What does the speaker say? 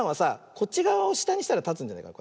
こっちがわをしたにしたらたつんじゃないかな。